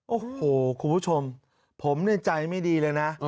โอ้โหคุณผู้ชมผมในใจไม่ดีเลยนะ